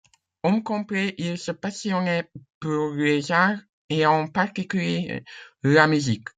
Homme complet, il se passionnait pour les arts et en particulier la musique.